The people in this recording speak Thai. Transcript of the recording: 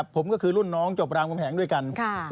ผมก็คือรุ่นน้องจบรามกำแหงด้วยกัน